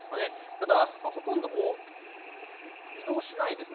ただ、ほとんど移動しないです。